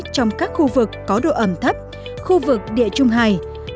trong các khu vực có độ ẩm thấp khu vực địa trung hải